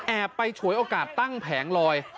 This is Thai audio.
ไปฉวยโอกาสตั้งแผงลอย